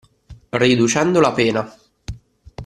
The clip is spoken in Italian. Riducendo la pena.